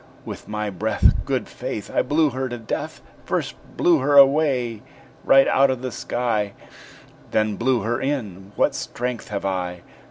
With my breath, Good faith! I blew her to death First blew her away right out of the sky Then blew her in; what strength have I!"